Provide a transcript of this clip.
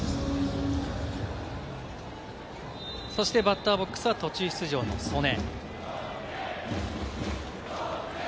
バッターボックスは途中出場の曽根。